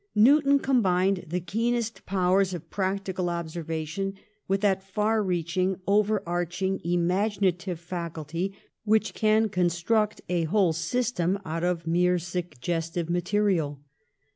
Newton combined the keenest powers of practical observation with that far reaching, over arching imaginative faculty which can construct a whole system out of mere suggestive material.